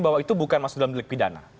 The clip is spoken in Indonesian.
bahwa itu bukan masuk dalam dpp